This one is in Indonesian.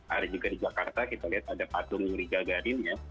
ada juga di jakarta kita lihat ada patung liga garin ya